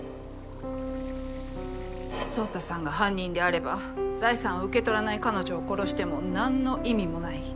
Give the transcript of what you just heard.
宗太さんが犯人であれば財産を受け取らない彼女を殺しても何の意味もない。